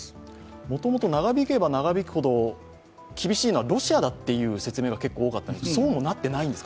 もともと長引けば長引くほど厳しいのはロシアだという説明がありましたが、そうもなってないんですか